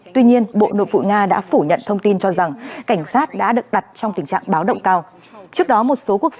tuy nhiên bộ nội vụ nga đã phủ nhận thông tin cho rằng cảnh sát đã được đặt trong tình trạng báo động cao